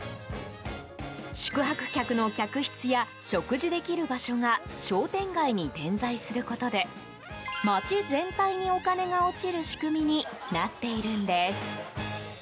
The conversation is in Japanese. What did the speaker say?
宿泊客の客室や食事できる場所が商店街に点在することで街全体に、お金が落ちる仕組みになっているんです。